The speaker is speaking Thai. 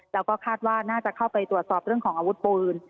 แล้วก็คาดว่าน่าจะเข้าไปตรวจสอบเรื่องของอาวุธปืน